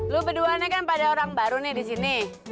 lo berduanya kan pada orang baru nih disini